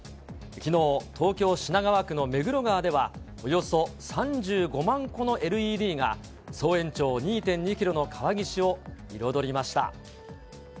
きのう、東京・品川区の目黒川では、およそ３５万個のＬＥＤが、総延長２．２キロの川岸を彩りました。